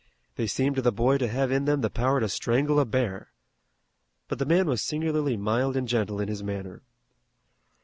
They seemed to the boy to have in them the power to strangle a bear. But the man was singularly mild and gentle in his manner.